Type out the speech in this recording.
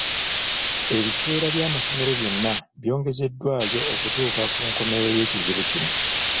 Ebiseera by'amasomero byonna byongezeddwayo okutuuka ku nkomerero y'ekizibu kino.